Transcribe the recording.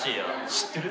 知ってる？